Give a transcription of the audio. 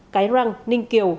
cái răng ninh kiều